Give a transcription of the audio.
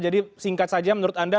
jadi singkat saja menurut anda